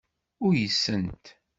Uysent.